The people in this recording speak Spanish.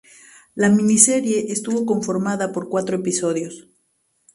La miniserie estuvo conformada por cuatro episodios.